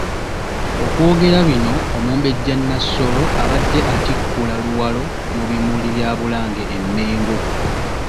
Okwogera bino Omumbejja Nassolo abadde atikkula Luwalo mu bimuli bya Bulange e Mmengo .